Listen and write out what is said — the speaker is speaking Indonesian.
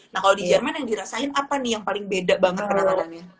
nah kalau di jerman yang dirasain apa nih yang paling beda banget penanganannya